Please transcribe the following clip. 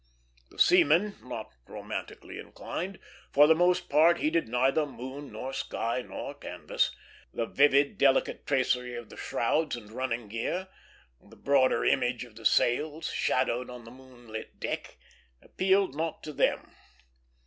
The seamen, not romantically inclined, for the most part heeded neither moon nor sky nor canvas. The vivid, delicate tracery of the shrouds and ruining gear, the broader image of the sails, shadowed on the moonlit deck, appealed not to them.